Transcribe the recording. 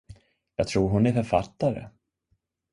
Jag tror hon är författare.